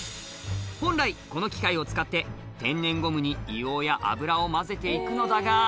本来、この機械を使って、天然ゴムに硫黄や油を混ぜていくのだが。